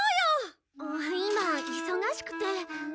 今忙しくて。